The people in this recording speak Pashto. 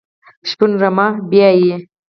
شپون رمه پيایي.